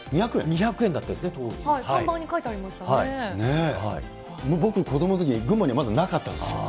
２００円だったですね、看板に僕、子どものとき、群馬にはまだなかったですよ。